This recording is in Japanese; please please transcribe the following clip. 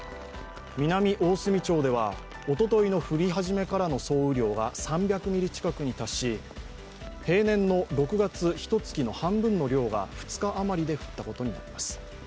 南大隅町ではおとといの降り始めからの総雨量が３００ミリ近くに達し平年の６月ひとつきの半分の量が２日余りで降ったことになります。